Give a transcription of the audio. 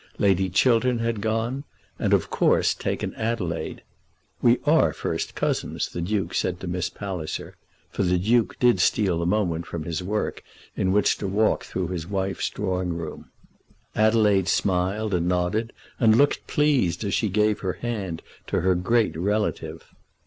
Lady Chiltern had gone, and of course taken Adelaide. "We are first cousins," the Duke said to Miss Palliser, for the Duke did steal a moment from his work in which to walk through his wife's drawing room. Adelaide smiled and nodded, and looked pleased as she gave her hand to her great relative.